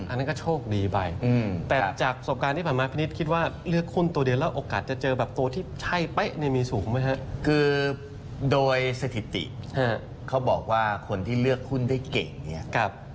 อันนั้นก็โชคดีไปอืมแต่จากสมการที่ผ่านมาพินิษฐ์คิดว่า